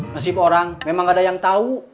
nasib orang memang ada yang tahu